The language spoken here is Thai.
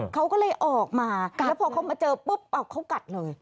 เขาก็เลยออกมาแล้วพอเขามาเจอปุ๊บเขากัดเลย